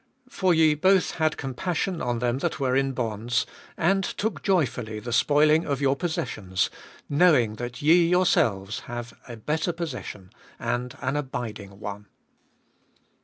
34. For ye both had compassion on them that were in bonds, and took joyfully the spoiling of your possessions, knowing that ye yourselves have a better possession and an abiding one.